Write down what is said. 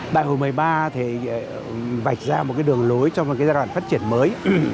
đại hội một mươi ba vạch ra một đường lối trong giai đoạn phát triển mới